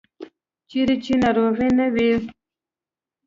چیرې چې ناروغي نه وي.